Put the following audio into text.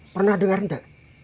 pernah dengar ente